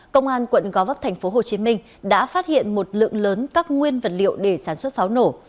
công an quận gó vấp tp hcm đã phát hiện một lượng lớn các nguyên vật liệu để sản xuất pháo nổ